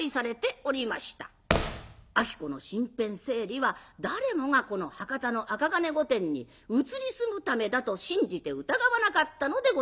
子の身辺整理は誰もがこの博多の赤銅御殿に移り住むためだと信じて疑わなかったのでございます。